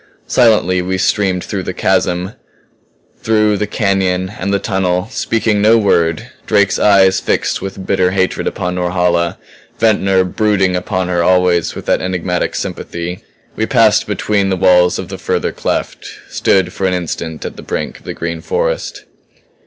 Silently we streamed through the chasm, through the canyon and the tunnel speaking no word, Drake's eyes fixed with bitter hatred upon Norhala, Ventnor brooding upon her always with that enigmatic sympathy. We passed between the walls of the further cleft; stood for an instant at the brink of the green forest.